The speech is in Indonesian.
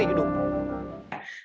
maka juga bisa menyebabkan kecemasan